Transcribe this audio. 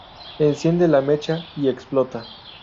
Enciende la mecha y explota.